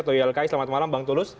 toylki selamat malam bang tulus